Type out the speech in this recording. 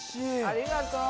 ありがとう。